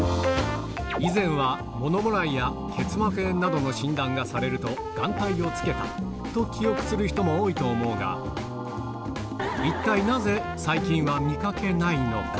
以前はものもらいや結膜炎などの診断がされると、眼帯をつけたと記憶する人も多いと思うが、一体なぜ、最近は見かけないのか？